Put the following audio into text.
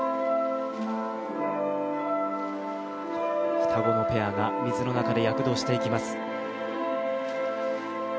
双子のペアが水の中で躍動していきます。